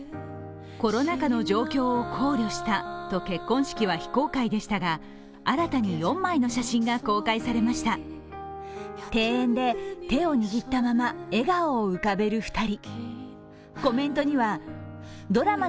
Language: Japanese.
コロナ禍の状況を考慮したと結婚式は非公開でしたが新たに４枚の写真が公開されました庭園で手を握ったまま笑顔を浮かべる２人。